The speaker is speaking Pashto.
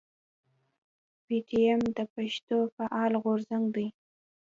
پي ټي ايم د پښتنو فعال غورځنګ دی.